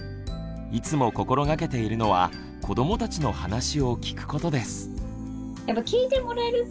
いつも心がけているのは子どもたちの話を聞くことです。